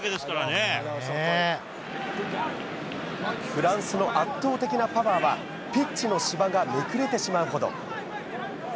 フランスの圧倒的なパワーはピッチの芝がめくれてしまうほど。